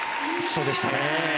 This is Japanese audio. そうでしたね。